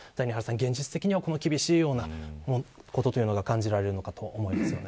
現実的には厳しいようなことというのが感じられるのかと思いますね。